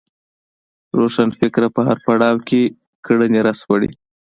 روښانفکر په هر پړاو کې کړنې راسپړي